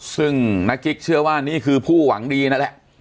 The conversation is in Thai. ซึ่งนักกิ๊กเชื่อว่านี่คือผู้หวังดีนั่นแหละ